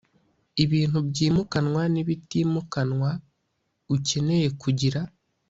ibintu byimukanwa n ibitimukanwa ukeneye kugira